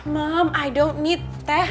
mama aku gak butuh teh